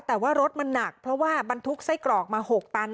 แต่ว่ารถมันหนักเพราะว่าบรรทุกไส้กรอกมา๖ตัน